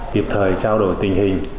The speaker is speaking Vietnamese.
tiếp thời trao đổi tình hình